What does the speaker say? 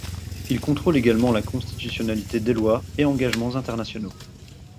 Il contrôle également la constitutionnalité des lois et engagements internationaux.